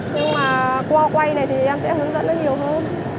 nhưng mà qua quay này thì em sẽ hướng dẫn nó nhiều hơn